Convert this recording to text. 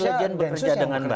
intelligence bekerja dengan baik